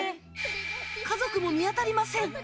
家族も見当たりません。